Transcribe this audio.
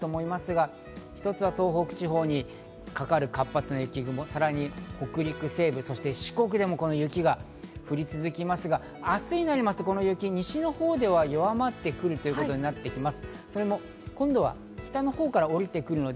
一つは東北地方にかかる活発な雪雲、さらに北陸西部、四国でも雪が降り続きますが、明日になりますとこの雪、西の方では弱まってくるということになってきます。